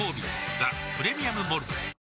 「ザ・プレミアム・モルツ」